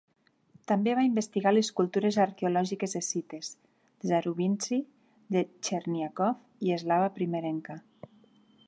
També va investigar les cultures arqueològiques escites, de Zarubintsy, de Chernyakhov i eslava primerenca.